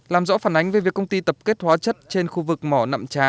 làm rõ phản ánh về việc công ty tập kết hóa chất trên khu vực mỏ nạm trá